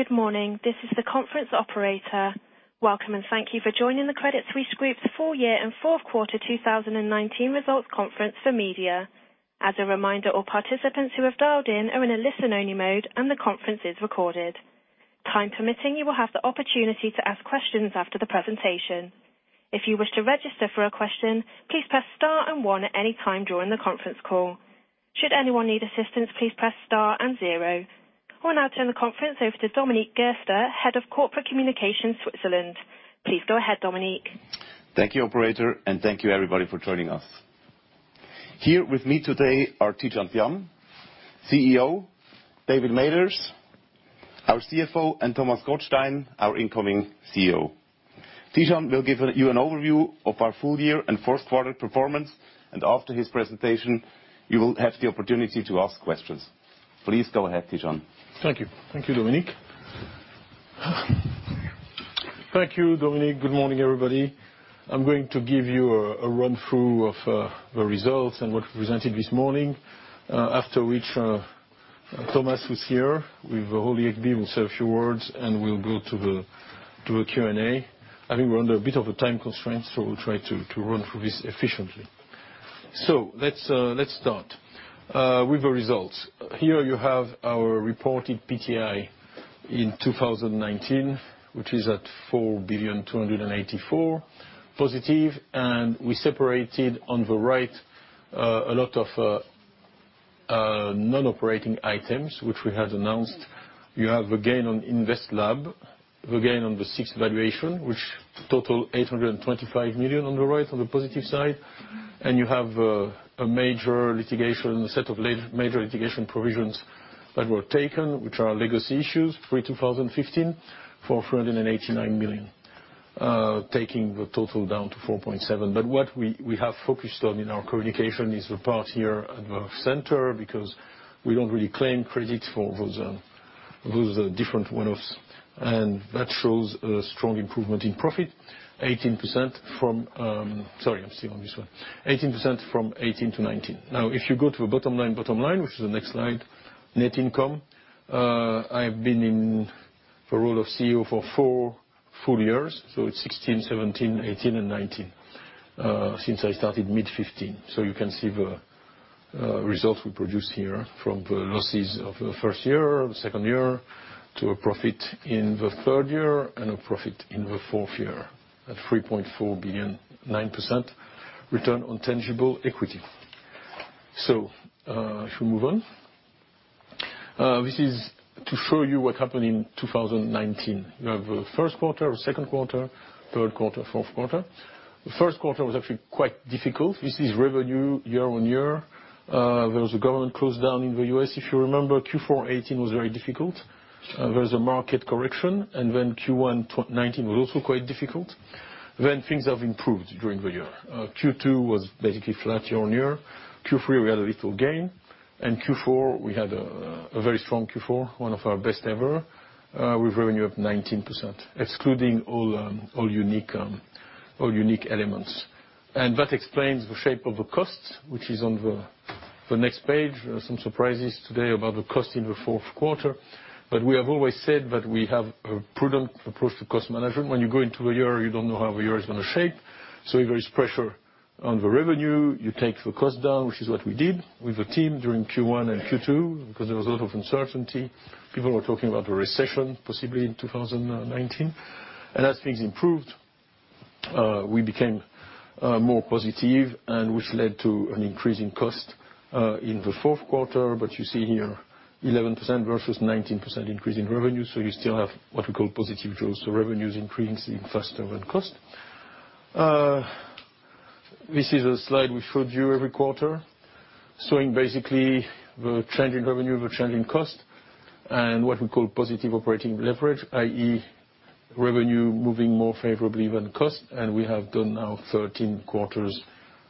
Good morning. This is the conference operator. Welcome, and thank you for joining the Credit Suisse Group's full year and fourth quarter 2019 results conference for media. As a reminder, all participants who have dialed in are in a listen-only mode, and the conference is recorded. Time permitting, you will have the opportunity to ask questions after the presentation. If you wish to register for a question, please press star one at any time during the conference call. Should anyone need assistance, please press star 0. We'll now turn the conference over to Dominique Gerster, Head of Corporate Communications, Switzerland. Please go ahead, Dominique. Thank you, operator, and thank you everybody for joining us. Here with me today are Tidjane Thiam, CEO, David Mathers, our CFO, and Thomas Gottstein, our incoming CEO. Tidjane will give you an overview of our full year and first quarter performance, and after his presentation, you will have the opportunity to ask questions. Please go ahead, Tidjane. Thank you. Thank you, Dominique. Thank you, Dominique. Good morning, everybody. I'm going to give you a run-through of the results and what we presented this morning, after which Thomas, who's here, with the whole [ExB], will say a few words, and we'll go to a Q&A. I think we're under a bit of a time constraint, we'll try to run through this efficiently. Let's start with the results. Here you have our reported PTI in 2019, which is at 4,000,000,284 positive, and we separated on the right a lot of non-operating items, which we had announced. You have the gain on InvestLab, the gain on the SIX valuation, which total 825 million on the right, on the positive side. You have a set of major litigation provisions that were taken, which are legacy issues pre-2015 for 389 million, taking the total down to 4.7. What we have focused on in our communication is the part here at the center, because we don't really claim credit for those different one-offs. That shows a strong improvement in profit, 18% from Sorry, I'm still on this one. 18% from 2018 to 2019. Now, if you go to the bottom line, which is the next slide, net income. I've been in the role of CEO for four full years, so it's 2016, 2017, 2018, and 2019, since I started mid-2015. You can see the results we produced here from the losses of the first year, second year, to a profit in the third year, and a profit in the fourth year at 3.4 billion, 9% return on tangible equity. Shall we move on? This is to show you what happened in 2019. You have the first quarter, the second quarter, third quarter, fourth quarter. The first quarter was actually quite difficult. This is revenue year-on-year. There was a government close-down in the U.S.,. If you remember, Q4 2018 was very difficult. There was a market correction, and then Q1 2019 was also quite difficult. Things have improved during the year. Q2 was basically flat year-on-year. Q3, we had a little gain. Q4, we had a very strong Q4, one of our best ever, with revenue up 19%, excluding all unique elements. That explains the shape of the cost, which is on the next page. Some surprises today about the cost in the fourth quarter. We have always said that we have a prudent approach to cost management. When you go into a year, you don't know how the year is going to shape. If there is pressure on the revenue, you take the cost down, which is what we did with the team during Q1 and Q2, because there was a lot of uncertainty. People were talking about the recession, possibly in 2019. As things improved, we became more positive, and which led to an increase in cost in the fourth quarter. You see here 11% versus 19% increase in revenue. You still have what we call positive growth, so revenue is increasing faster than cost. This is a slide we showed you every quarter, showing basically the change in revenue, the change in cost, and what we call positive operating leverage, i.e., revenue moving more favorably than cost. We have done now 13 quarters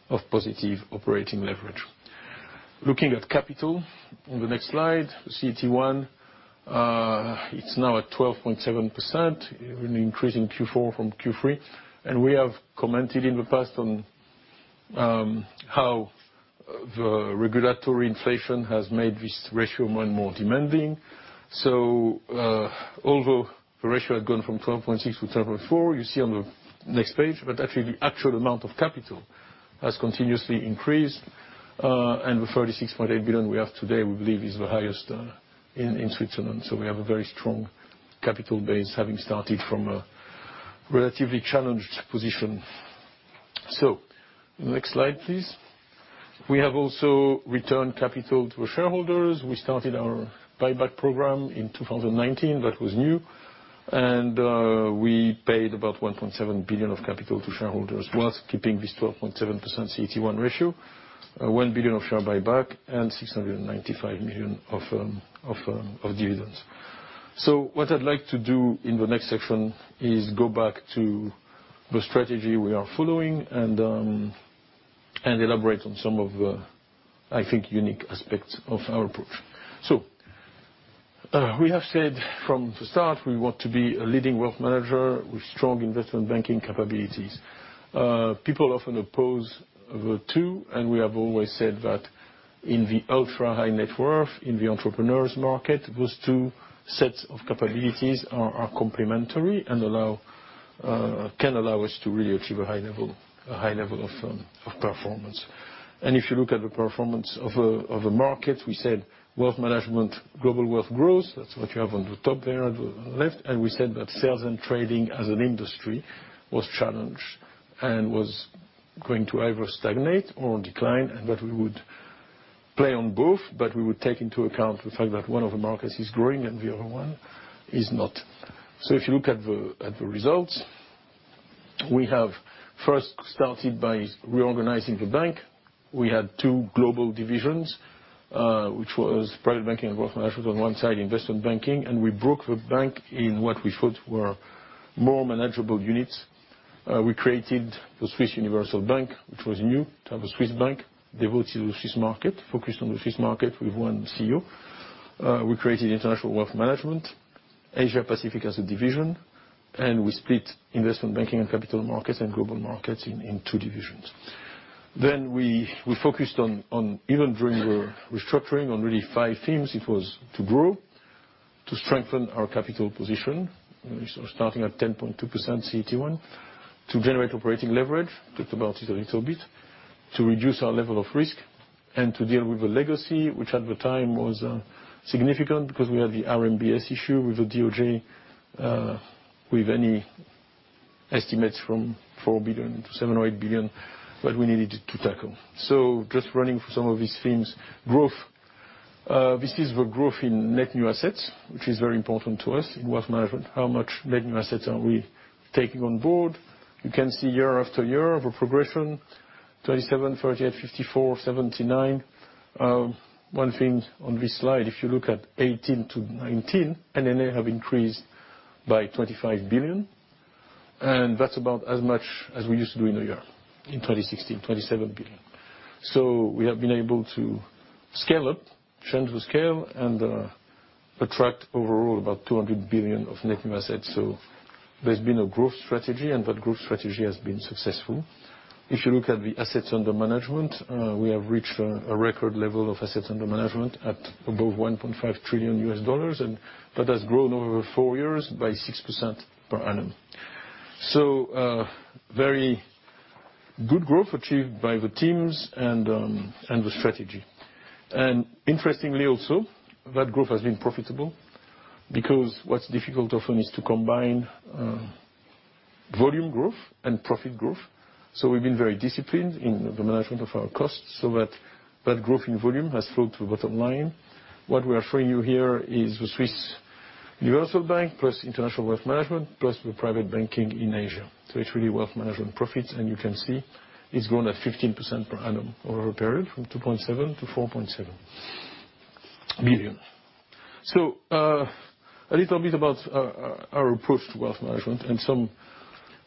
of positive operating leverage. Looking at capital on the next slide, CET1, it's now at 12.7%, even increase in Q4 from Q3. We have commented in the past on how the regulatory inflation has made this ratio more and more demanding. Although the ratio had gone from 12.6 to 12.4, you see on the next page. Actually, the actual amount of capital has continuously increased. The 36.8 billion we have today, we believe, is the highest in Switzerland. We have a very strong capital base, having started from a relatively challenged position. Next slide, please. We have also returned capital to our shareholders. We started our buyback program in 2019. That was new. We paid about 1.7 billion of capital to shareholders whilst keeping this 12.7% CET1 ratio, 1 billion of share buyback, and 695 million of dividends. What I'd like to do in the next section is go back to the strategy we are following and elaborate on some of the, I think, unique aspects of our approach. We have said from the start, we want to be a leading wealth manager with strong investment banking capabilities. People often oppose the two, and we have always said that. In the ultra-high net worth, in the entrepreneur's market, those two sets of capabilities are complementary and can allow us to really achieve a high level of performance. If you look at the performance of a market, we said wealth management, global wealth growth, that's what you have on the top there on the left, and we said that sales and trading as an industry was challenged and was going to either stagnate or decline, and that we would play on both, but we would take into account the fact that one of the markets is growing and the other one is not. If you look at the results, we have first started by reorganizing the bank. We had two global divisions, which was private banking and wealth management on one side, investment banking, and we broke the bank in what we thought were more manageable units. We created the Swiss Universal Bank, which was new to have a Swiss bank devoted to the Swiss market, focused on the Swiss market with one CEO. We created International Wealth Management, Asia Pacific as a division, and we split Investment Banking and Capital Markets and Global Markets in two divisions. We focused on, even during the restructuring, on really five themes. It was to grow, to strengthen our capital position, starting at 10.2% CET1, to generate operating leverage, talked about it a little bit, to reduce our level of risk, and to deal with the legacy, which at the time was significant because we had the RMBS issue with the DOJ, with any estimates from 4 billion to 7 billion or 8 billion, that we needed to tackle. Just running through some of these themes. Growth. This is the growth in net new assets, which is very important to us in wealth management, how much net new assets are we taking on board. You can see year after year of a progression, 27 billion, 38 billion, 54 billion, 79 billion. One thing on this slide, if you look at 2018 to 2019, NNA have increased by 25 billion, and that's about as much as we used to do in a year in 2016, 27 billion. We have been able to scale up, change the scale, and attract overall about 200 billion of net new assets. There's been a growth strategy, and that growth strategy has been successful. If you look at the assets under management, we have reached a record level of assets under management at above $1.5 trillion, and that has grown over 4 years by 6% per annum. A very good growth achieved by the teams and the strategy. Interestingly also, that growth has been profitable because what's difficult often is to combine volume growth and profit growth. We've been very disciplined in the management of our costs so that that growth in volume has flowed to the bottom line. What we are showing you here is the Swiss Universal Bank plus International Wealth Management, plus the private banking in Asia. It's really wealth management profits, and you can see it's grown at 15% per annum over a period from 2.7 billion-4.7 billion. A little bit about our approach to wealth management and some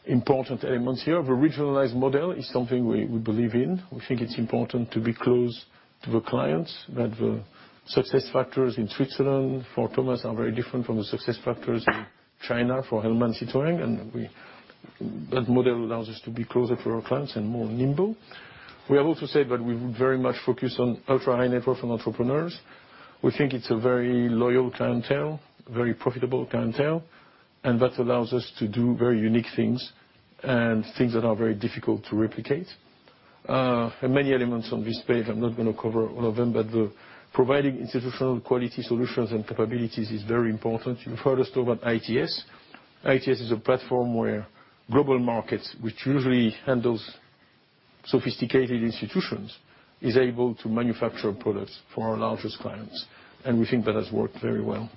important elements here. The regionalized model is something we believe in. We think it's important to be close to the clients, that the success factors in Switzerland for Thomas are very different from the success factors in China for Helman Sitohang, and that model allows us to be closer for our clients and more nimble. We have also said that we're very much focused on ultra-high net worth and entrepreneurs. We think it's a very loyal clientele, very profitable clientele, and that allows us to do very unique things and things that are very difficult to replicate. There are many elements on this page, I'm not going to cover all of them, but the providing institutional quality solutions and capabilities is very important. You've heard us talk about ITS. ITS is a platform where global markets, which usually handles sophisticated institutions, is able to manufacture products for our largest clients. We think that has worked very well.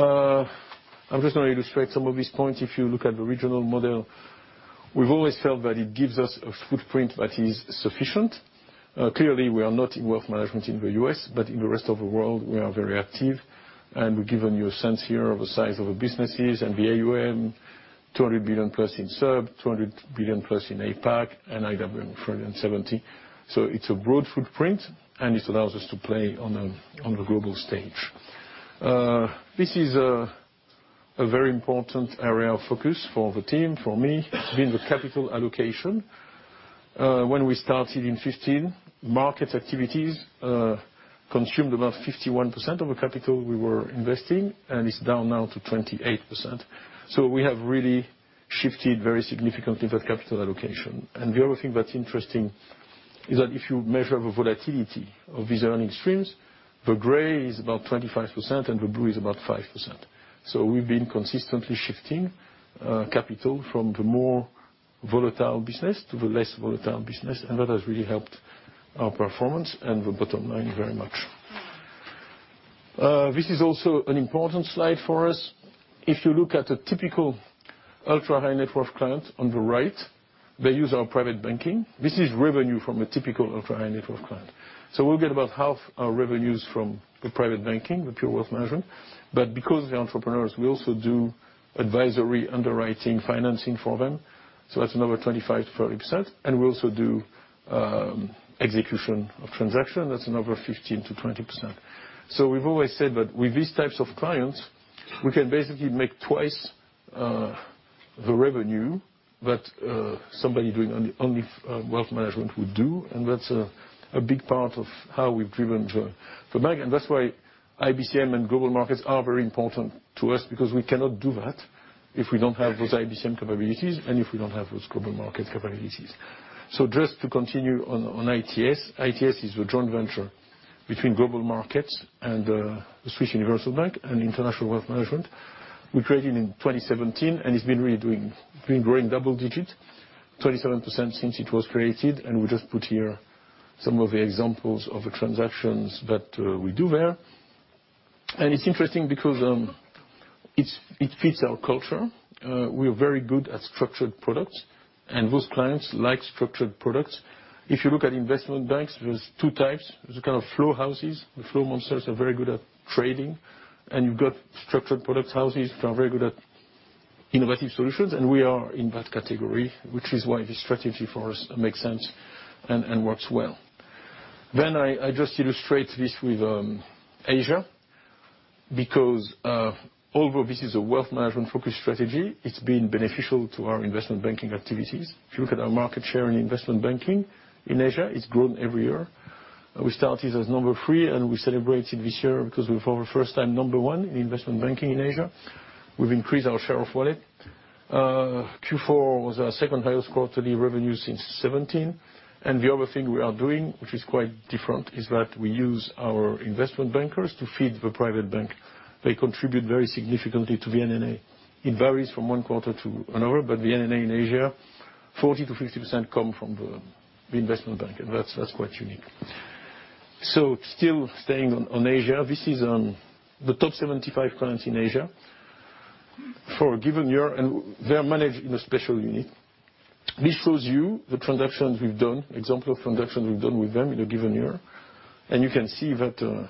I'm just going to illustrate some of these points. If you look at the regional model, we've always felt that it gives us a footprint that is sufficient. Clearly, we are not in wealth management in the U.S., but in the rest of the world, we are very active, and we've given you a sense here of the size of the businesses and the AUM, 200 billion plus in SUB, 200 billion plus in APAC, and IWM 370. It's a broad footprint and it allows us to play on the global stage. This is a very important area of focus for the team, for me, has been the capital allocation. When we started in 2015, market activities consumed about 51% of the capital we were investing, and it's down now to 28%. We have really shifted very significantly the capital allocation. The other thing that's interesting is that if you measure the volatility of these earning streams, the gray is about 25% and the blue is about 5%. We've been consistently shifting capital from the more volatile business to the less volatile business, and that has really helped our performance and the bottom line very much. This is also an important slide for us. If you look at a typical ultra-high net worth client on the right, they use our private banking. This is revenue from a typical ultra-high net worth client. We'll get about half our revenues from the private banking, the pure wealth management. Because they're entrepreneurs, we also do advisory underwriting financing for them, that's another 25%-30%, and we also do execution of transaction, that's another 15%-20%. We've always said that with these types of clients, we can basically make twice the revenue that somebody doing only wealth management would do. That's a big part of how we've driven the bank. That's why IBCM and global markets are very important to us because we cannot do that if we don't have those IBCM capabilities and if we don't have those global market capabilities. Just to continue on ITS. ITS is a joint venture between global markets and the Swiss Universal Bank and International Wealth Management. We created in 2017, it's been really growing double-digit, 27% since it was created. We just put here some of the examples of the transactions that we do there. It's interesting because it fits our culture. We are very good at structured products, and those clients like structured products. If you look at investment banks, there's two types. There's the kind of flow houses. The flow monsters are very good at trading. You've got structured product houses, which are very good at innovative solutions, and we are in that category, which is why this strategy for us makes sense and works well. I just illustrate this with Asia because although this is a wealth management-focused strategy, it's been beneficial to our investment banking activities. If you look at our market share in investment banking in Asia, it's grown every year. We started as number three, we celebrated this year because we're, for the first time, number one in Investment Banking in Asia. We've increased our share of wallet. Q4 was our second highest quarterly revenue since 2017. The other thing we are doing, which is quite different, is that we use our investment bankers to feed the private bank. They contribute very significantly to the NNA. It varies from one quarter to another, the NNA in Asia, 40%-50% come from the Investment Bank, that's quite unique. Still staying on Asia, this is on the top 75 clients in Asia for a given year, they are managed in a special unit. This shows you the transactions we've done, example of transactions we've done with them in a given year. You can see that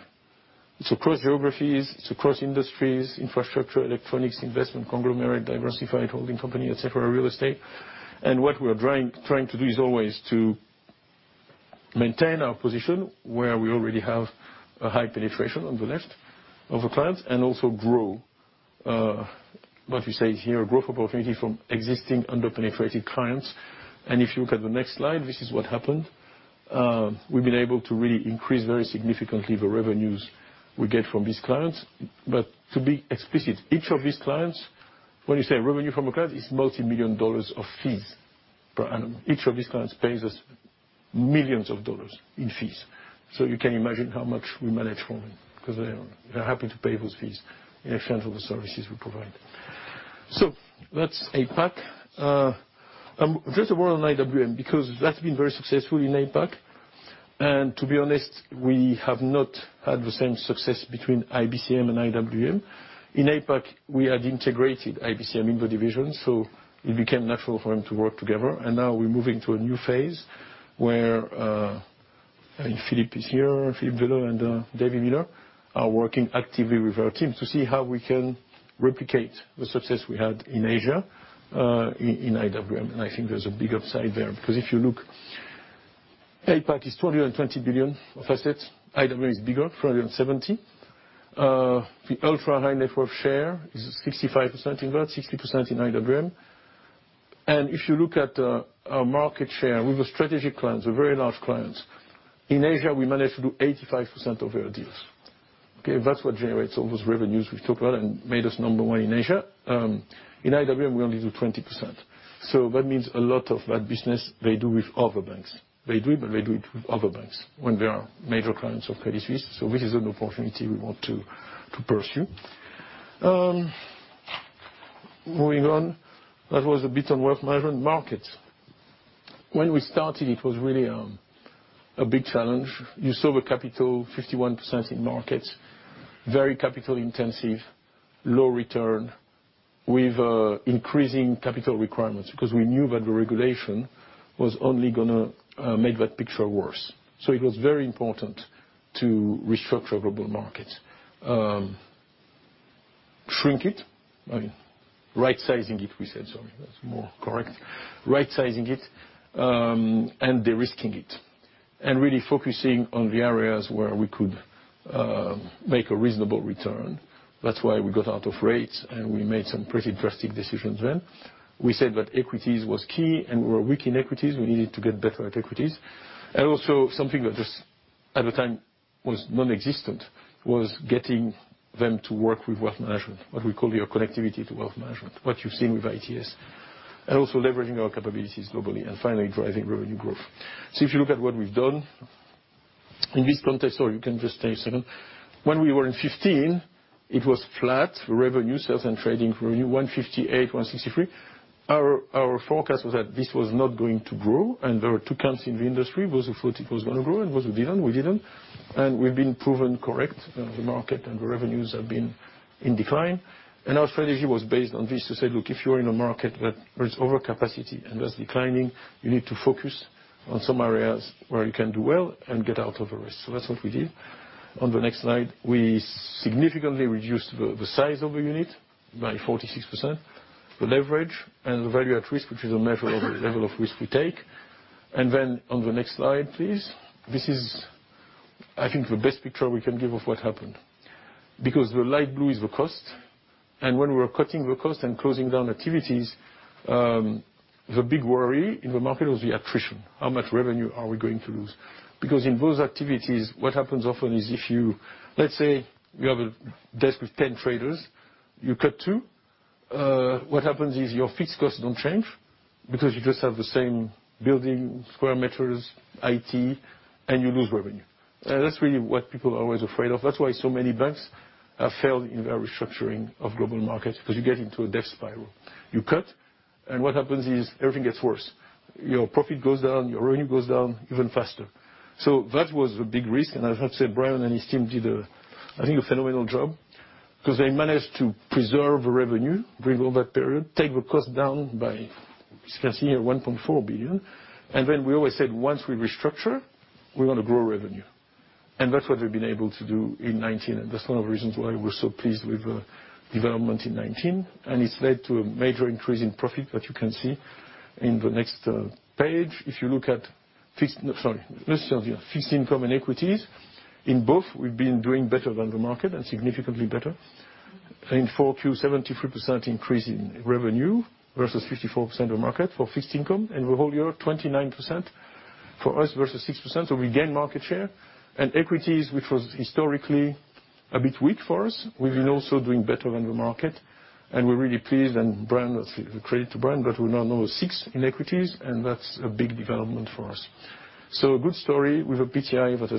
it's across geographies, it's across industries, infrastructure, electronics, investment, conglomerate, diversified holding company, et cetera, real estate. What we're trying to do is always to maintain our position where we already have a high penetration on the left of the clients and also grow, what we say here, growth opportunity from existing under-penetrated clients. If you look at the next slide, this is what happened. We've been able to really increase very significantly the revenues we get from these clients. To be explicit, each of these clients, when you say revenue from a client, it's multimillion dollars of fees per annum. Each of these clients pays us millions of dollars in fees. You can imagine how much we manage from them, because they are happy to pay those fees in exchange for the services we provide. That's APAC. Just a word on IWM, because that's been very successful in APAC. To be honest, we have not had the same success between IBCM and IWM. In APAC, we had integrated IBCM into divisions. It became natural for them to work together. Now we're moving to a new phase where, Philipp is here, Philipp Wehle and David Miller are working actively with our team to see how we can replicate the success we had in Asia in IWM. I think there's a big upside there, because if you look, APAC is 220 billion of assets. IWM is bigger, 370. The ultra-high net worth share is 65% in that, 60% in IWM. If you look at our market share with the strategic clients, the very large clients, in Asia, we managed to do 85% of their deals. Okay? That's what generates all those revenues we've talked about and made us number one in Asia. In IWM, we only do 20%. That means a lot of that business they do with other banks. They do it, but they do it with other banks when they are major clients of Credit Suisse. This is an opportunity we want to pursue. Moving on, that was a bit on wealth management markets. When we started, it was really a big challenge. You saw the capital, 51% in markets, very capital intensive, low return with increasing capital requirements because we knew that the regulation was only going to make that picture worse. It was very important to restructure global markets. Shrink it. I mean, right-sizing it, we said. Sorry, that's more correct. Right-sizing it, and de-risking it, and really focusing on the areas where we could make a reasonable return. That's why we got out of rates. We made some pretty drastic decisions then. We said that equities was key. We were weak in equities. We needed to get better at equities. Also, something that just at the time was nonexistent was getting them to work with Wealth Management, what we call your connectivity to Wealth Management, what you've seen with ITS. Also leveraging our capabilities globally and finally driving revenue growth. If you look at what we've done in this context, or you can just stay a second. When we were in 2015, it was flat revenue, sales and trading revenue, 158, 163. Our forecast was that this was not going to grow. There were two camps in the industry, those who thought it was going to grow and those who didn't. We didn't. We've been proven correct. The market and the revenues have been in decline. Our strategy was based on this to say, "Look, if you're in a market where there's overcapacity and that's declining, you need to focus on some areas where you can do well and get out of the rest." That's what we did. On the next slide, we significantly reduced the size of the unit by 46%, the leverage, and the Value at Risk, which is a measure of the level of risk we take. On the next slide, please. This is, I think, the best picture we can give of what happened. Because the light blue is the cost. When we're cutting the cost and closing down activities, the big worry in the market was the attrition. How much revenue are we going to lose? In those activities, what happens often is, let's say, you have a desk with 10 traders, you cut two. What happens is your fixed costs don't change because you just have the same building square meters, IT, and you lose revenue. That's really what people are always afraid of. That's why so many banks have failed in their restructuring of global markets, because you get into a death spiral. You cut, what happens is everything gets worse. Your profit goes down, your revenue goes down even faster. That was the big risk, and I have to say Brian and his team did, I think, a phenomenal job because they managed to preserve the revenue during all that period, take the cost down by, you can see here, 1.4 billion. We always said, once we restructure, we want to grow revenue. That's what we've been able to do in 2019, and that's one of the reasons why we're so pleased with the development in 2019. It's led to a major increase in profit that you can see in the next page. Let's start here. Fixed income and equities. In both, we've been doing better than the market, and significantly better. In 4Q, 73% increase in revenue versus 54% of the market for fixed income. The whole year, 29% for us versus 6%. We gained market share. Equities, which was historically a bit weak for us, we've been also doing better than the market. We're really pleased, credit to Brian, we're now number six in equities, that's a big development for us. A good story with a PTI that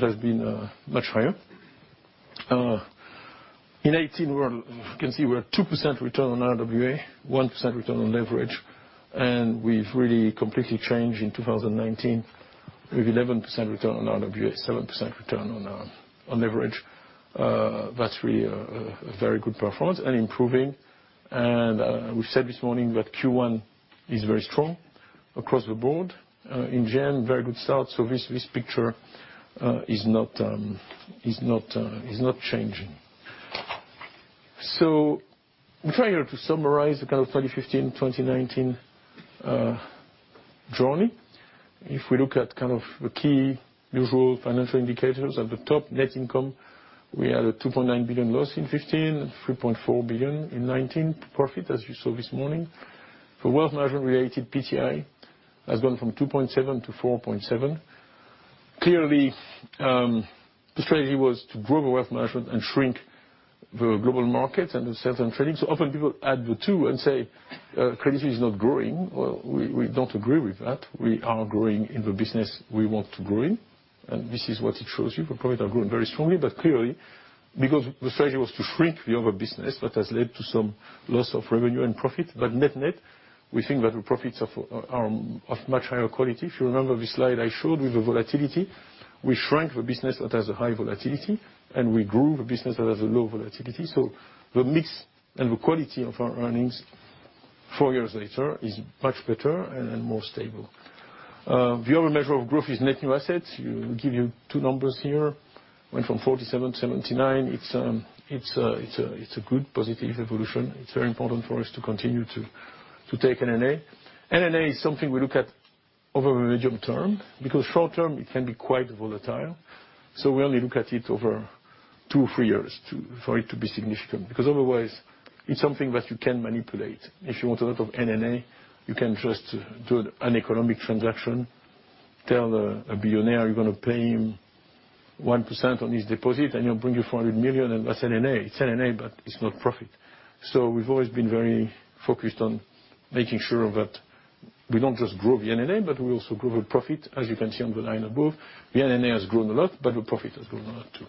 has been much higher. In 2018, you can see we're at 2% return on RWA, 1% return on leverage. We've really completely changed in 2019 with 11% return on RWA, 7% return on leverage. That's really a very good performance, and improving. We've said this morning that Q1 is very strong across the board. In general, very good start. This picture is not changing. We try here to summarize the kind of 2015, 2019 journey. If we look at the key usual financial indicators, at the top, net income, we had a 2.9 billion loss in 2015 and 3.4 billion in 2019, profit, as you saw this morning. The wealth management-related PTI has gone from 2.7-4.7. The strategy was to grow the wealth management and shrink the global markets and the sales and trading. Often people add the two and say Credit Suisse is not growing. Well, we don't agree with that. We are growing in the business we want to grow in, and this is what it shows you. The profits are growing very strongly, but clearly because the strategy was to shrink the other business, that has led to some loss of revenue and profit. Net-net, we think that the profits are of much higher quality. If you remember the slide I showed with the volatility, we shrank the business that has a high volatility, and we grew the business that has a low volatility. The mix and the quality of our earnings four years later is much better and more stable. The other measure of growth is net new assets. We give you two numbers here. Went from 4-7 to 7-9. It's a good, positive evolution. It's very important for us to continue to take NNA. NNA is something we look at over the medium term, because short-term, it can be quite volatile. We only look at it over two or three years for it to be significant, because otherwise, it's something that you can manipulate. If you want a lot of NNA, you can just do an economic transaction, tell a billionaire you're going to pay him 1% on his deposit, and he'll bring you 400 million, and that's NNA. It's NNA, but it's not profit. We've always been very focused on making sure that we don't just grow the NNA, but we also grow the profit, as you can see on the line above. The NNA has grown a lot, but the profit has grown a lot, too.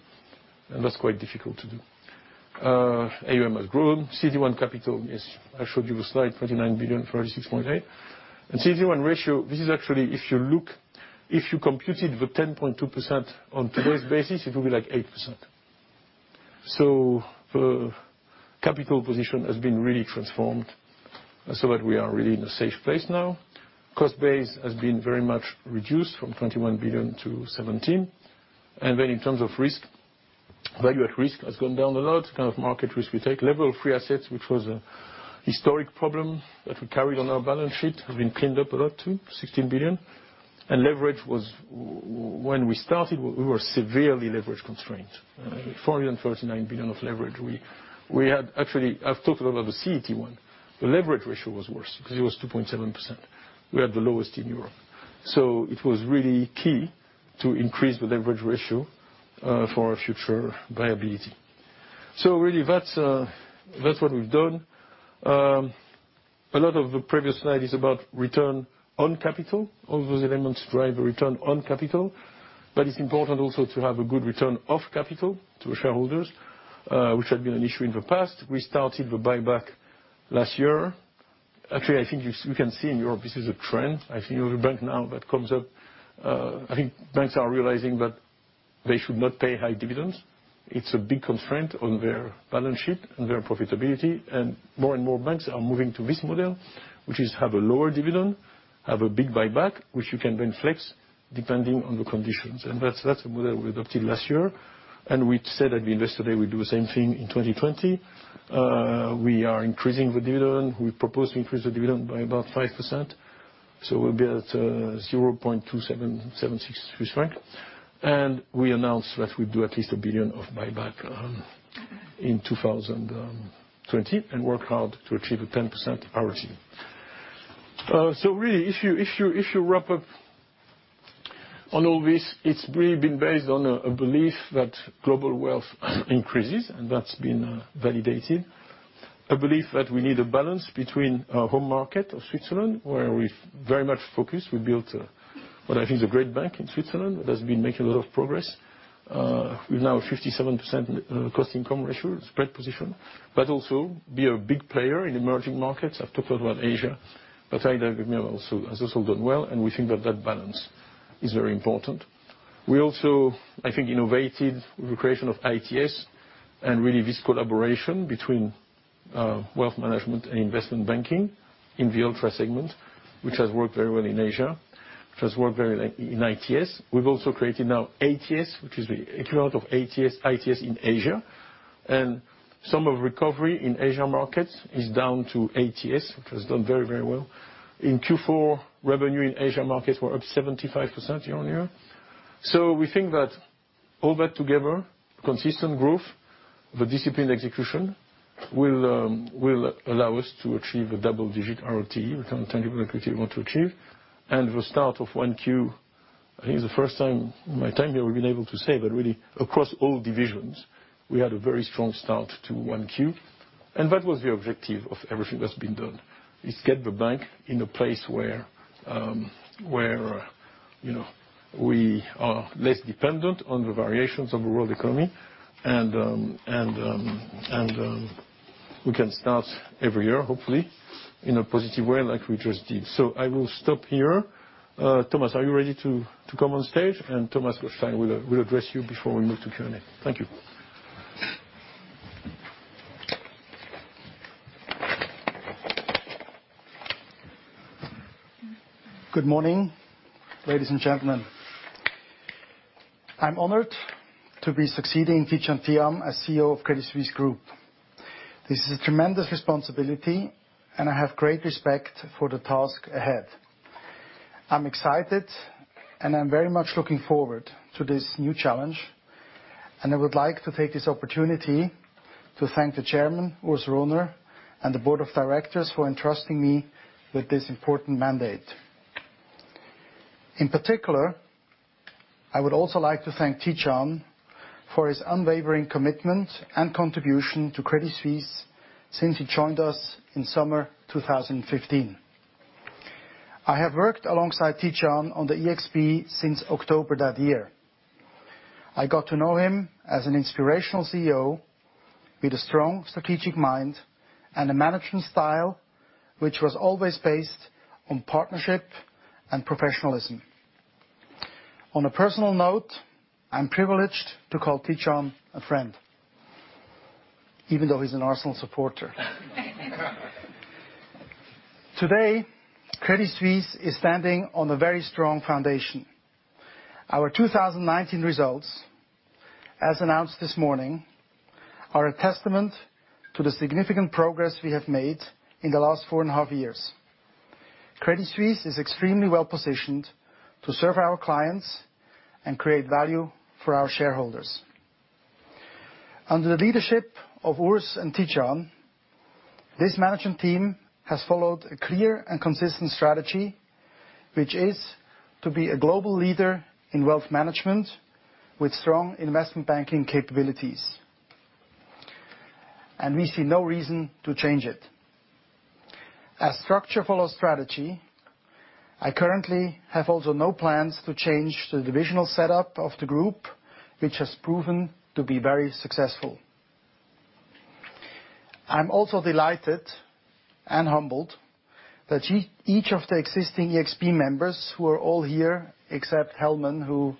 That's quite difficult to do. AUM has grown. CET1 capital, yes, I showed you a slide, 29 billion, 36.8 billion. CET1 ratio, this is actually, if you computed the 10.2% on today's basis, it will be like 8%. The capital position has been really transformed so that we are really in a safe place now. Cost base has been very much reduced from 21 billion-17 billion. In terms of risk, Value at Risk has gone down a lot, kind of market risk we take. Level three assets, which was a historic problem that we carried on our balance sheet, has been cleaned up a lot, too, 16 billion. Leverage was, when we started, we were severely leverage-constrained. 439 billion of leverage. We had actually, I've talked a lot about the CET1. The leverage ratio was worse because it was 2.7%. We had the lowest in Europe. It was really key to increase the leverage ratio for our future viability. Really, that's what we've done. A lot of the previous slide is about return on capital. All those elements drive a return on capital. It's important also to have a good return of capital to the shareholders, which had been an issue in the past. We started the buyback last year. Actually, I think you can see in Europe, this is a trend. I think every bank now that comes up, I think banks are realizing that they should not pay high dividends. It's a big constraint on their balance sheet and their profitability. More and more banks are moving to this model, which is have a lower dividend, have a big buyback, which you can then flex depending on the conditions. That's a model we adopted last year. We said at the Investor Day, we'll do the same thing in 2020. We are increasing the dividend. We propose to increase the dividend by about 5%. So we'll be at 0.2776 Swiss franc, and we announce that we do at least 1 billion of buyback in 2020 and work hard to achieve a 10% RoTE. Really, if you wrap up on all this, it's really been based on a belief that global wealth increases, and that's been validated. A belief that we need a balance between our home market of Switzerland, where we're very much focused. We built what I think is a great bank in Switzerland that has been making a lot of progress. We're now 57% cost-income ratio spread position, but also be a big player in emerging markets. I've talked about Asia, but also has also done well. We think that that balance is very important. We also, I think, innovated with the creation of ITS and really this collaboration between Wealth Management and Investment Banking in the ultra segment, which has worked very well in Asia, which has worked very in ITS. We've also created now AES, which is the equivalent of AES, ITS in Asia, and some of recovery in Asia markets is down to AES, which has done very, very well. In Q4, revenue in Asia markets were up 75% year-on-year. We think that all that together, consistent growth, the disciplined execution will allow us to achieve a double-digit RoTE, Return on Tangible Equity we want to achieve. The start of 1Q, I think it's the first time in my tenure we've been able to say, really across all divisions, we had a very strong start to 1Q. That was the objective of everything that's been done, is get the bank in a place where we are less dependent on the variations of the world economy and we can start every year, hopefully, in a positive way like we just did. I will stop here. Thomas, are you ready to come on stage? Thomas will address you before we move to Q&A. Thank you. Good morning, ladies and gentlemen. I'm honored to be succeeding Tidjane Thiam as CEO of Credit Suisse Group. This is a tremendous responsibility. I have great respect for the task ahead. I'm excited. I'm very much looking forward to this new challenge. I would like to take this opportunity to thank the Chairman, Urs Rohner, and the board of directors for entrusting me with this important mandate. In particular, I would also like to thank Tidjane for his unwavering commitment and contribution to Credit Suisse since he joined us in summer 2015. I have worked alongside Tidjane on the ExB since October that year. I got to know him as an inspirational CEO with a strong strategic mind and a management style, which was always based on partnership and professionalism. On a personal note, I'm privileged to call Tidjane a friend, even though he's an Arsenal supporter. Today, Credit Suisse is standing on a very strong foundation. Our 2019 results, as announced this morning, are a testament to the significant progress we have made in the last four and a half years. Credit Suisse is extremely well-positioned to serve our clients and create value for our shareholders. Under the leadership of Urs and Tidjane, this management team has followed a clear and consistent strategy, which is to be a global leader in wealth management with strong investment banking capabilities. We see no reason to change it. As structure follows strategy, I currently have also no plans to change the divisional setup of the group, which has proven to be very successful. I'm also delighted and humbled that each of the existing ExB members who are all here, except Helman, who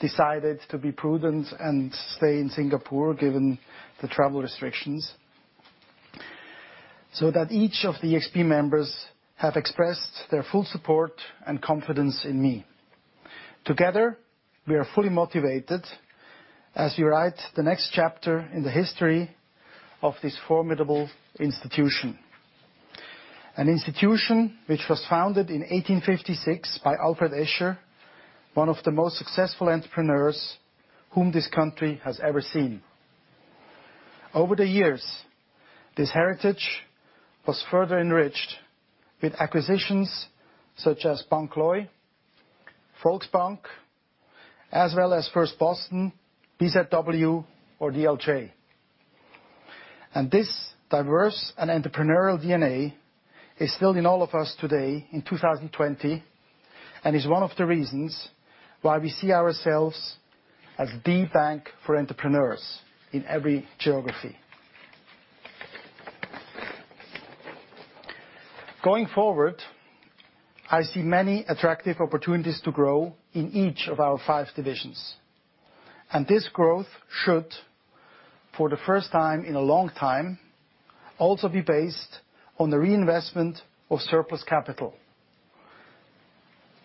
decided to be prudent and stay in Singapore given the travel restrictions. That each of the ExB members have expressed their full support and confidence in me. Together, we are fully motivated as we write the next chapter in the history of this formidable institution. An institution which was founded in 1856 by Alfred Escher, one of the most successful entrepreneurs whom this country has ever seen. Over the years, this heritage was further enriched with acquisitions such as Bank Leu, Volksbank, as well as First Boston, BZW or DLJ. This diverse and entrepreneurial DNA is still in all of us today in 2020 and is one of the reasons why we see ourselves as the bank for entrepreneurs in every geography. Going forward, I see many attractive opportunities to grow in each of our five divisions, and this growth should, for the first time in a long time, also be based on the reinvestment of surplus capital.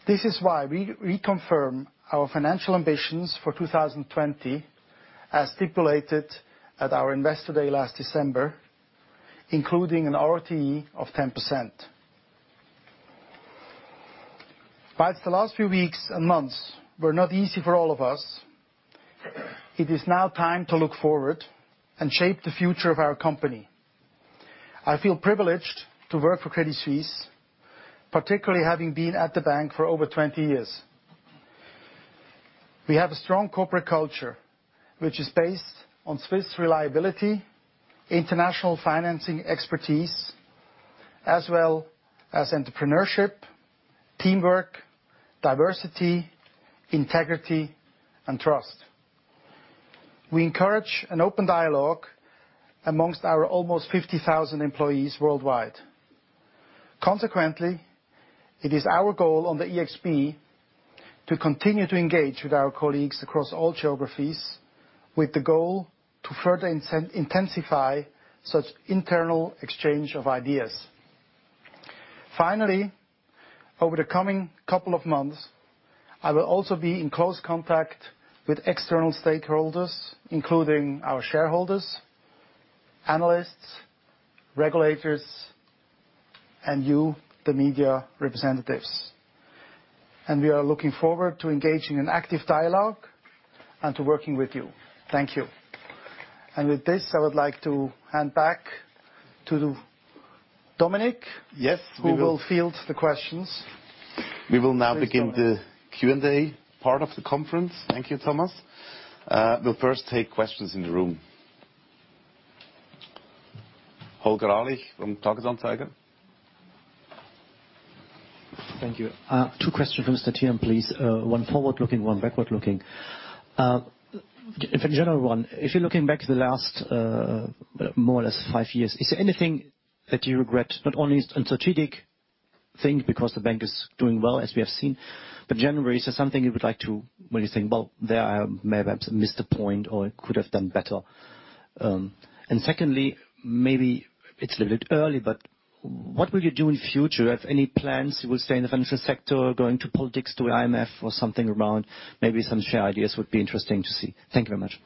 This is why we reconfirm our financial ambitions for 2020 as stipulated at our Investor Day last December, including an RoTE of 10%. Whilst the last few weeks and months were not easy for all of us, it is now time to look forward and shape the future of our company. I feel privileged to work for Credit Suisse, particularly having been at the bank for over 20 years. We have a strong corporate culture, which is based on Swiss reliability, international financing expertise, as well as entrepreneurship, teamwork, diversity, integrity, and trust. We encourage an open dialogue amongst our almost 50,000 employees worldwide. Consequently, it is our goal on the ExB to continue to engage with our colleagues across all geographies with the goal to further intensify such internal exchange of ideas. Finally, over the coming couple of months, I will also be in close contact with external stakeholders, including our shareholders, analysts, regulators, and you, the media representatives. We are looking forward to engaging in active dialogue and to working with you. Thank you. With this, I would like to hand back to Dominique. Yes. Who will field the questions? We will now begin the Q&A part of the conference. Thank you, Thomas. We'll first take questions in the room. Holger Alich from Tages-Anzeiger. Thank you. Two questions for Mr. Tidjane, please. One forward-looking, one backward-looking. General one, if you're looking back to the last more or less five years, is there anything that you regret? Not only on strategic thing, because the bank is doing well, as we have seen. Generally, is there something you would like to when you think, well, there I maybe missed a point or could have done better. Secondly, maybe it's a little early, what will you do in future? Do you have any plans? You will stay in the financial sector, going to politics, to IMF or something around? Maybe some share ideas would be interesting to see. Thank you very much.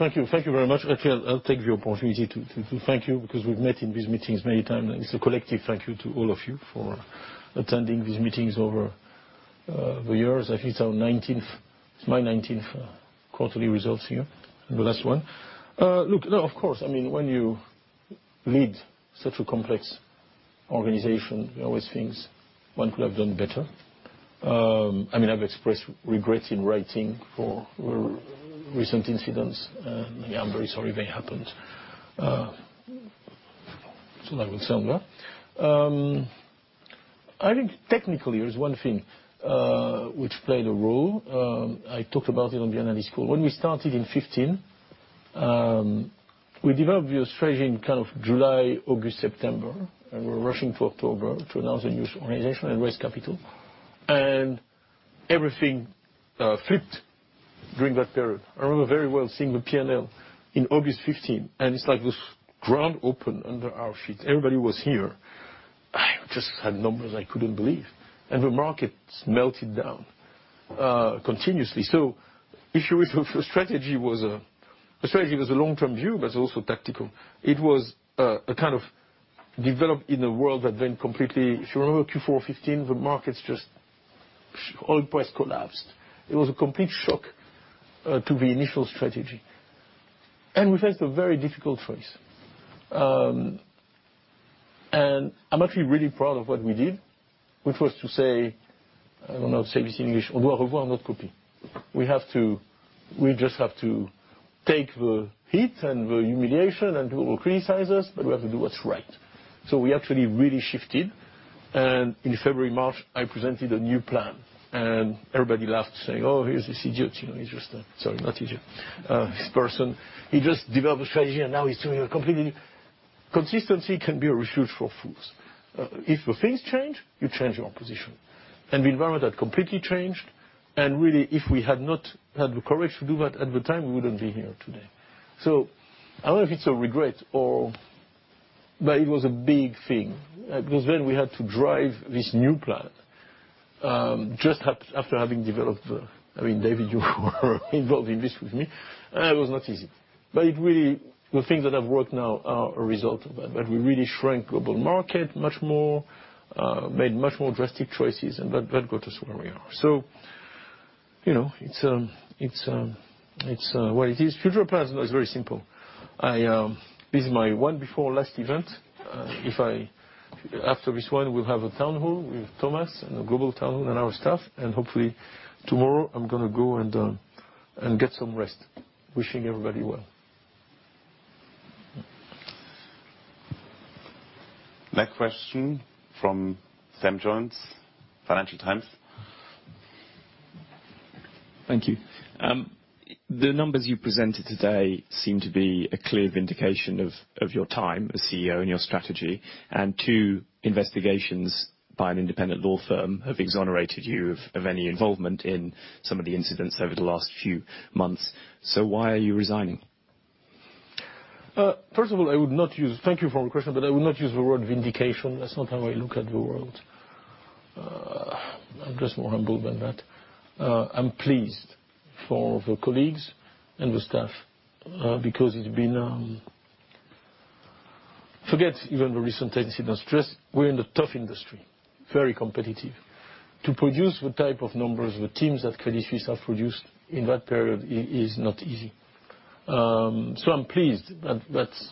Thank you. Thank you very much. Actually, I'll take the opportunity to thank you because we've met in these meetings many times. It's a collective thank you to all of you for attending these meetings over the years. I think it's my 19th quarterly results here, the last one. Look, no, of course. When you lead such a complex organization, there are always things one could have done better. I've expressed regret in writing for recent incidents. I'm very sorry they happened. Like with Sandra. I think technically, there is one thing which played a role. I talked about it on the analyst call. When we started in 2015, we developed the strategy in kind of July, August, September, and we were rushing for October to announce a new organization and raise capital. Everything flipped during that period. I remember very well seeing the P&L in August 2015, and it's like this ground opened under our feet. Everybody was here. I just had numbers I couldn't believe. The markets melted down continuously. The strategy was a long-term view, but it's also tactical. It was a kind of developed in a world. If you remember Q4 2015, the markets just, oil price collapsed. It was a complete shock to the initial strategy. We faced a very difficult choice. I'm actually really proud of what we did, which was to say, I don't know how to say this in English. We have to take the hit and the humiliation and people will criticize us, but we have to do what's right. We actually really shifted. In February, March, I presented a new plan and everybody laughed saying, "Oh, he's this idiot." Sorry, not idiot. This person, he just developed a strategy, and now he's doing a completely Consistency can be a refuge for fools. If the things change, you change your position. The environment had completely changed. Really, if we had not had the courage to do that at the time, we wouldn't be here today. I don't know if it's a regret or it was a big thing. We had to drive this new plan, just after having developed the David, you were involved in this with me, and it was not easy. The things that have worked now are a result of that, where we really shrank Global Markets much more, made much more drastic choices, and that got us where we are. It is what it is. Future plans. It's very simple. This is my one before last event. After this one, we'll have a town hall with Thomas and a global town hall and our staff, and hopefully tomorrow I'm going to go and get some rest. Wishing everybody well. Next question from Sam Jones, Financial Times. Thank you. The numbers you presented today seem to be a clear vindication of your time as CEO and your strategy, two investigations by an independent law firm have exonerated you of any involvement in some of the incidents over the last few months. Why are you resigning? First of all, thank you for your question. I would not use the word vindication. That's not how I look at the world. I'm just more humble than that. I'm pleased for the colleagues and the staff, because it's been Forget even the recent tenor, let's just, we're in a tough industry, very competitive. To produce the type of numbers the teams at Credit Suisse have produced in that period is not easy. I'm pleased that that's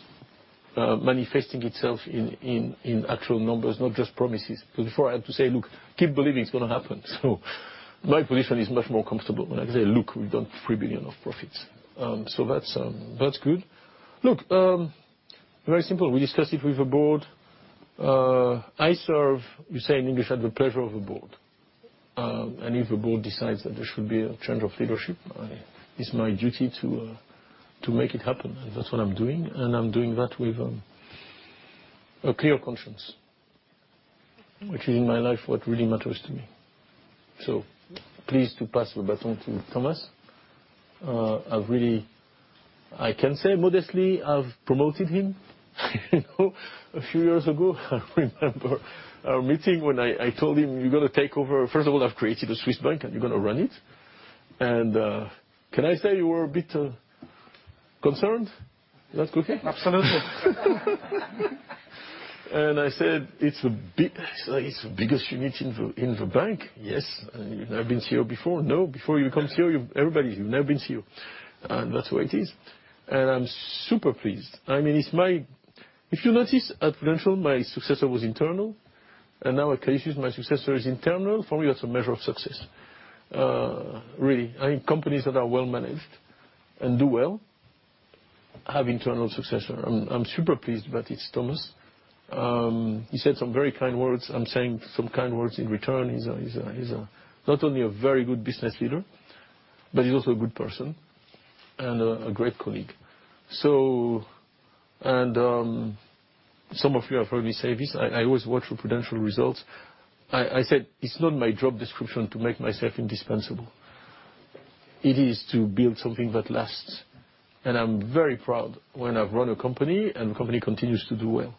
manifesting itself in actual numbers, not just promises. Before I had to say, "Look, keep believing it's going to happen." My position is much more comfortable when I can say, "Look, we've done 3 billion of profits." That's good. Very simple, we discussed it with the board. I serve, you say in English, at the pleasure of the board. If the board decides that there should be a change of leadership, it's my duty to make it happen. That's what I'm doing, and I'm doing that with a clear conscience, which in my life, is what really matters to me. Pleased to pass the baton to Thomas. I've really, I can say modestly, I've promoted him. A few years ago, I remember our meeting when I told him, "You're going to take over. First of all, I've created a Swiss Bank, and you're going to run it." Can I say you were a bit concerned? Is that okay? Absolutely. I said, "It's the biggest unit in the bank." "Yes." "You've never been CEO before?" "No." "Before you become CEO, everybody here, you've never been CEO." That's the way it is. I'm super pleased. If you notice, at Prudential, my successor was internal, and now at Credit Suisse, my successor is internal. For me, that's a measure of success. Really, I think companies that are well-managed and do well have internal successor. I'm super pleased that it's Thomas. He said some very kind words. I'm saying some kind words in return. He's not only a very good business leader, but he's also a good person and a great colleague. Some of you have heard me say this, I always watch Prudential results. I said, "It's not my job description to make myself indispensable. It is to build something that lasts." I'm very proud when I've run a company and the company continues to do well.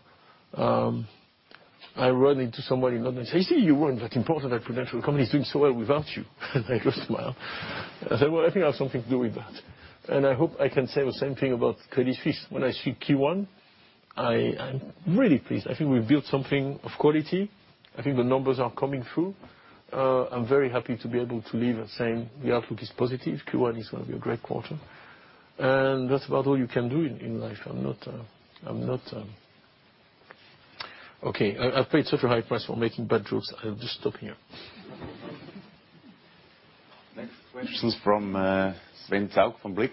I ran into somebody in London, say, "See, you weren't that important at Prudential. The company's doing so well without you." I just smile. I said, "Well, I think I have something to do with that." I hope I can say the same thing about Credit Suisse when I see Q1. I'm really pleased. I think we've built something of quality. I think the numbers are coming through. I'm very happy to be able to leave it saying the outlook is positive. Q1 is going to be a great quarter. That's about all you can do in life. Okay. I've paid such a high price for making bad jokes. I'll just stop here. Next question is from Sven Zaugg from Blick.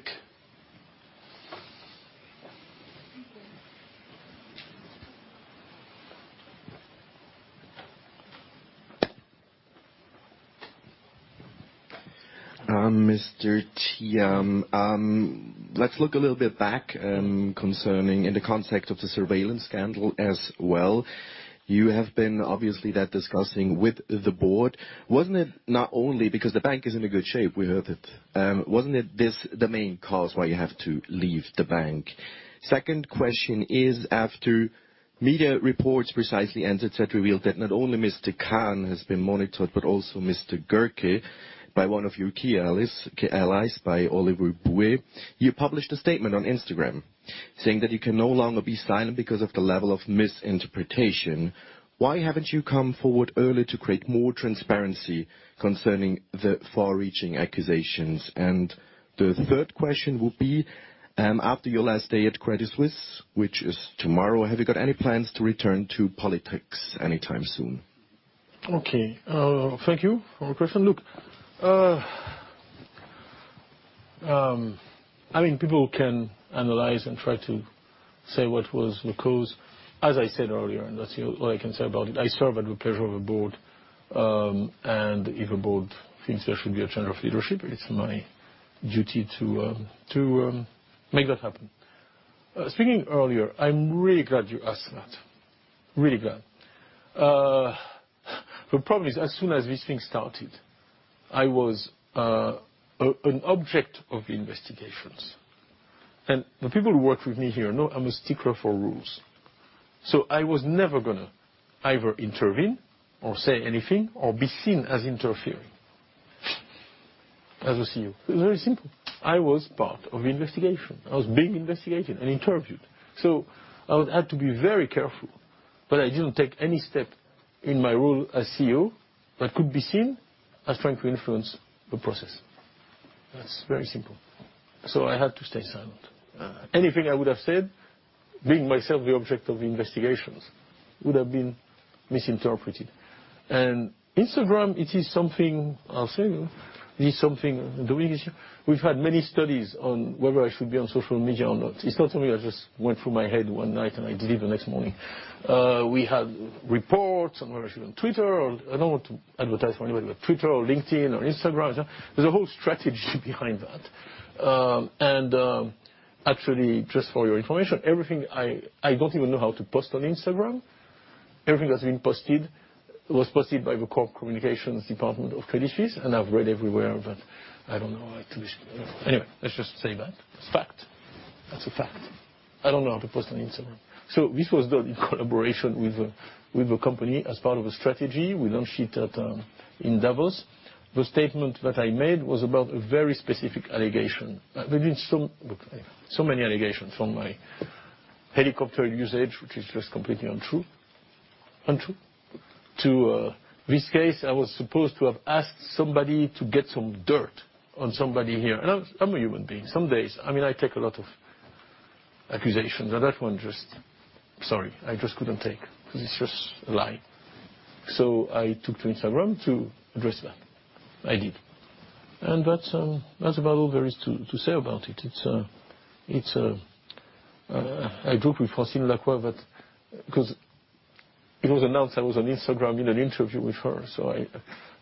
Mr. Thiam, let's look a little bit back, concerning in the context of the surveillance scandal as well. You have been obviously then discussing with the Board. Wasn't it not only because the Bank is in a good shape, we heard it? Wasn't it this the main cause why you have to leave the Bank? Second question is, after media reports precisely, and etc., revealed that not only Mr. Khan has been monitored, but also Mr. Goerke by one of your key allies, by Olivier Bouy, you published a statement on Instagram saying that you can no longer be silent because of the level of misinterpretation. Why haven't you come forward earlier to create more transparency concerning the far-reaching accusations? The third question would be, after your last day at Credit Suisse, which is tomorrow, have you got any plans to return to politics anytime soon? Okay. Thank you for your question. Look, I mean, people can analyze and try to say what was the cause. As I said earlier, and that's all I can say about it, I serve at the pleasure of a board, and if a board thinks there should be a change of leadership, it's my duty to make that happen. Speaking earlier, I'm really glad you asked that. Really glad. The problem is, as soon as this thing started, I was an object of the investigations. The people who work with me here know I'm a stickler for rules. I was never going to either intervene or say anything or be seen as interfering as a CEO. It was very simple. I was part of the investigation. I was being investigated and interviewed. I would have to be very careful, but I didn't take any step in my role as CEO that could be seen as trying to influence the process. That's very simple. I had to stay silent. Anything I would've said, being myself the object of the investigations, would have been misinterpreted. Instagram, it is something I'll say, it is something during this year, we've had many studies on whether I should be on social media or not. It's not something that just went through my head one night and I did it the next morning. We had reports on whether I should be on Twitter or, I don't want to advertise for anybody, but Twitter or LinkedIn or Instagram. There's a whole strategy behind that. Actually, just for your information, I don't even know how to post on Instagram. Everything that's been posted was posted by the Corporate Communications department of Credit Suisse, and I've read everywhere, but I don't know how to. Anyway, let's just say that. It's fact. That's a fact. I don't know how to post on Instagram. This was done in collaboration with the company as part of a strategy. We launched it in Davos. The statement that I made was about a very specific allegation. There have been so many allegations, from my helicopter usage, which is just completely untrue, to this case, I was supposed to have asked somebody to get some dirt on somebody here. I'm a human being. Some days, I take a lot of accusations, and that one, sorry, I just couldn't take, because it's just a lie. I took to Instagram to address that. I did. That's about all there is to say about it. I joked with Francine Lacqua that, because it was announced I was on Instagram in an interview with her, so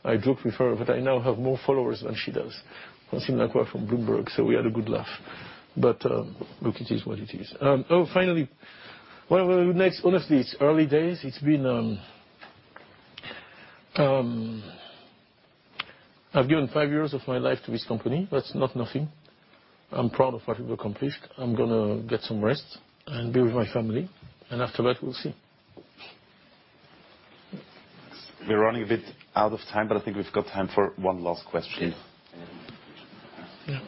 I joked with her that I now have more followers than she does. Francine Lacqua from Bloomberg, so we had a good laugh. Look, it is what it is. Finally, honestly, it's early days. I've given five years of my life to this company. That's not nothing. I'm proud of what we've accomplished. I'm going to get some rest and be with my family, and afterward, we'll see. We're running a bit out of time, but I think we've got time for one last question. Yeah.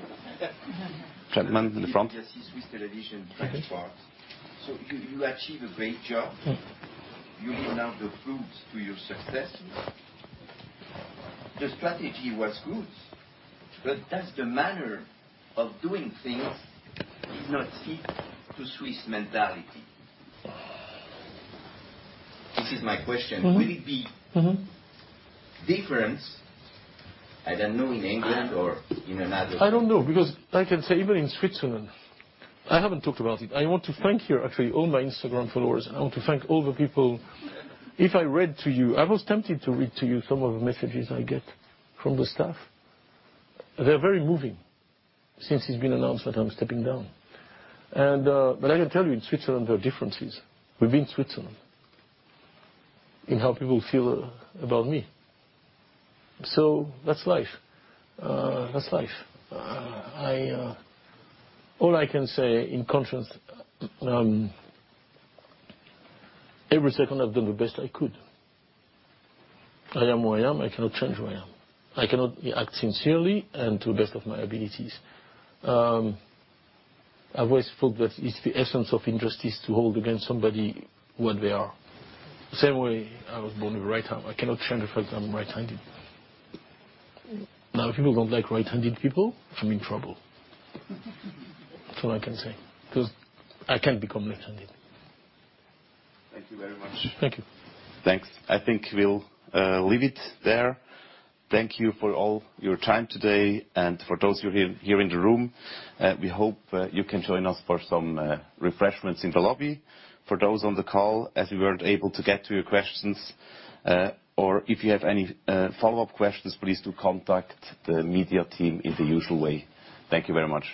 Gentleman in the front. Swiss television, [Frank Spark]. You achieve a great job. You give now the fruits to your successes. The strategy was good, but that the manner of doing things does not fit to Swiss mentality. This is my question. Will it be different, I don't know, in England? I don't know, because I can say even in Switzerland, I haven't talked about it. I want to thank here, actually, all my Instagram followers, and I want to thank all the people. If I read to you, I was tempted to read to you some of the messages I get from the staff. They're very moving since it's been announced that I'm stepping down. I can tell you, in Switzerland, there are differences within Switzerland in how people feel about me. That's life. All I can say in conscience, every second I've done the best I could. I am who I am. I cannot change who I am. I cannot act sincerely and to the best of my abilities. I've always thought that it's the essence of injustice to hold against somebody what they are. The same way I was born with a right arm. I cannot change the fact I'm right-handed. If people don't like right-handed people, I'm in trouble. That's all I can say, because I can't become left-handed. [Thank you very much.] Thank you. Thanks. I think we'll leave it there. Thank you for all your time today and for those of you here in the room, we hope you can join us for some refreshments in the lobby. For those on the call, as we weren't able to get to your questions, or if you have any follow-up questions, please do contact the media team in the usual way. Thank you very much.